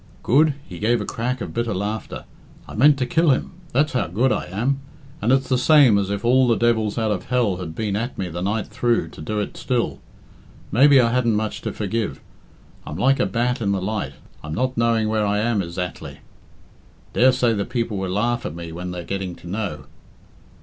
"Good?" He gave a crack of bitter laughter. "I meant to kill him that's how good I am. And it's the same as if all the devils out of hell had been at me the night through to do it still. Maybe I hadn't much to forgive. I'm like a bat in the light I'm not knowing where I am ezactly. Daresay the people will laugh at me when they're getting to know.